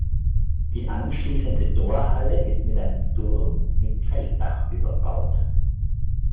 Die anschließende Torhalle ist mit einem Turm mit Zeltdach überbaut.